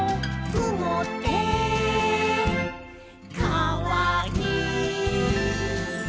「くもってかわいい」